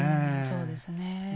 そうですねえ。